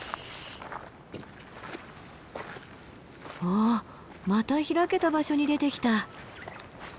ああまた開けた場所に出てきた。